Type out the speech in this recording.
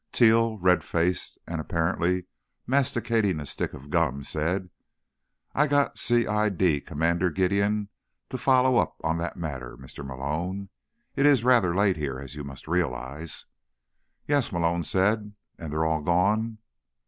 Teal, red faced and apparently masticating a stick of gum, said: "I got C. I. D. Commander Gideon to follow up on that matter, Mr. Malone. It is rather late here, as you must realize—" "Yes?" Malone said. "And they've all gone?"